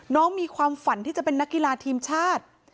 มีความฝันที่จะเป็นนักกีฬาทีมชาติ